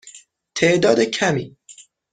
تعداد کمی.